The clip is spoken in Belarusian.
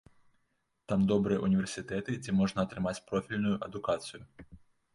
Там добрыя ўніверсітэты, дзе можна атрымаць профільную адукацыю.